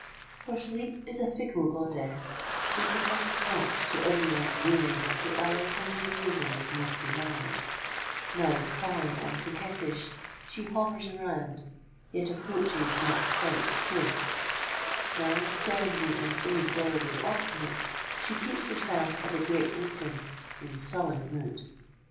For sleep is a fickle goddess, who succumbs not to every one's wooing at the hour when her yielding is most desired: now coy and coquettish, she hovers around, yet approaches not quite close:—now sternly and inexorably obstinate, she keeps herself at a great distance, in sullen mood.